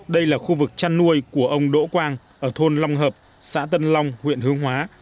đây là khu vực chăn nuôi của ông đỗ quang ở thôn long hợp xã tân long huyện hướng hóa